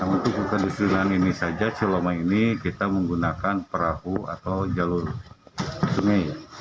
untuk kekedustrian ini saja selama ini kita menggunakan perahu atau jalur sungai